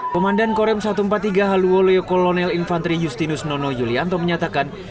komandan korem satu ratus empat puluh tiga haluo leo kolonel infantri justinus nono yulianto menyatakan